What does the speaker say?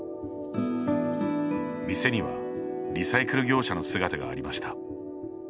店にはリサイクル業者の姿がありました。